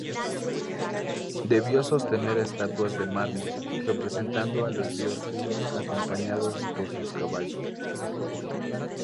Debió sostener estatuas de mármol representando a los Dioscuros acompañados por sus caballos.